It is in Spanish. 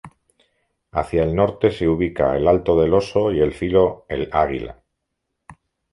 Hacia el Norte se ubica el Alto Del Oso y el Filo El Águila.